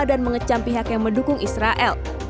sehingga dipercaya oleh pemerintah israel